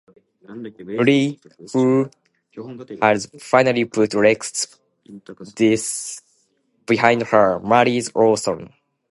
Bree, who has finally put Rex's death behind her, marries Orson.